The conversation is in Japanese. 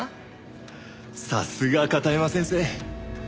さすが片山先生。